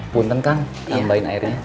punten kang tambahin airnya